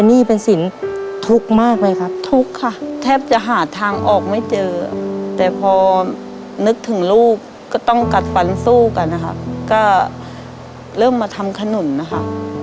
หนี้เป็นสินทุกข์มากเลยครับทุกข์ค่ะแทบจะหาทางออกไม่เจอแต่พอนึกถึงลูกก็ต้องกัดฟันสู้กันนะคะก็เริ่มมาทำขนุนนะคะ